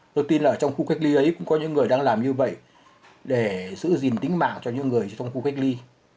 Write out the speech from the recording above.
tôi tin là trong khu cách ly ấy cũng có những người đang làm như vậy để giữ gìn tính mạng cho những người trong khu cách ly